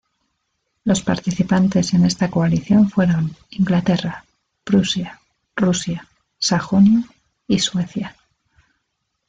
Los participantes en esta coalición fueron Inglaterra, Prusia, Rusia, Sajonia y Suecia.